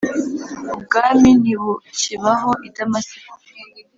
ubwami ntibukibaho i Damasiko